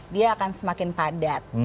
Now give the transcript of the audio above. dia akan semakin padat